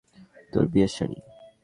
তোর বিয়ের শাড়ি?